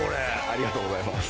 ありがとうございます。